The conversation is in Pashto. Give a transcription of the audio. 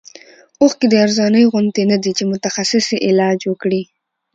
د اوښکو د ارزانۍ غوندې نه دی چې متخصص یې علاج وکړي.